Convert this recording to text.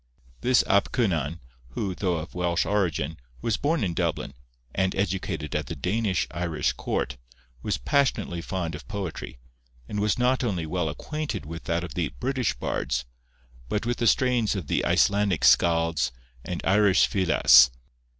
This Ap Cynan, who, though of Welsh origin, was born in Dublin, and educated at the Danish Irish court, was passionately fond of poetry, and was not only well acquainted with that of the British bards, but with the strains of the Icelandic skalds and Irish fileas.